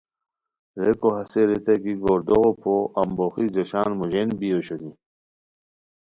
ریکو ہسے ریتائے کی گوردوغو پو امبوخی جوشان موژین بی اوشونی